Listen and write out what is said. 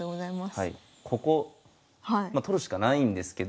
ここ取るしかないんですけど。